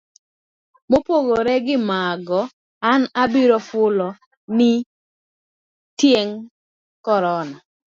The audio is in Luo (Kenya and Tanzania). Mopogore gi mago, an abiro fulo ni tiend korona.